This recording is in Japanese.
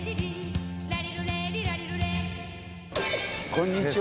こんにちは。